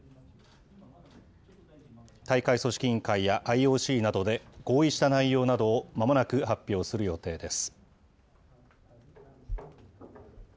大会組織委員会やＩＯＣなどで合意した内容などをまもなく発表する予定です。